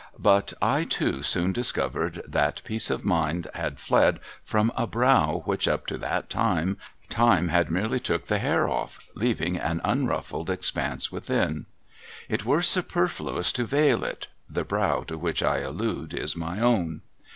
But I too soon discovered that peace of mind had fled from a brow which, up to that time, Time had merely took the hair off, leaving an unruffled expanse within. It were superfluous to veil it, — the brow to which I allude is my own.